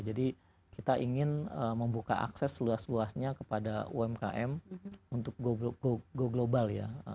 jadi kita ingin membuka akses seluas luasnya kepada umkm untuk go global ya